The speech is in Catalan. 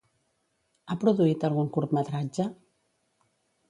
Ha produït algun curtmetratge?